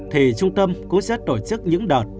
thì trung tâm cũng sẽ tổ chức những đợt